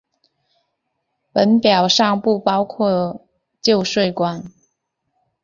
本表尚不包括旧税关。